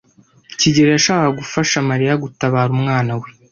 kigeli yashakaga gufasha Mariya gutabara umwana we.